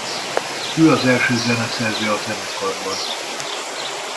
Ő az első zeneszerző a zenekarban.